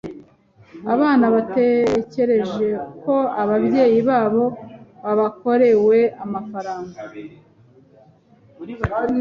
Abana batekereje ko ababyeyi babo babakorewe amafaranga.